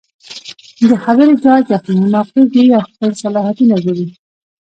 د خبرې جاج اخلي ،موقع ګوري او خپل صلاحيتونه ګوري